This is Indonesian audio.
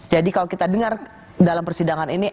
jadi kalau kita dengar dalam persidangan ini